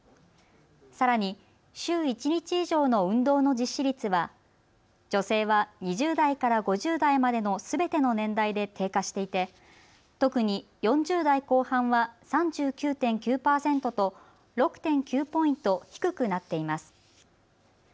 さらに週１日以上の運動の実施率は女性は２０代から５０代までのすべての年代で低下していて特に４０代後半は３９．９％と６．９ポイント低くなっています。